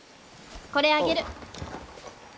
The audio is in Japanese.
これ、あげる。